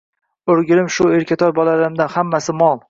O`rgildim shu erkatoy bolalaringdan, hammasi mol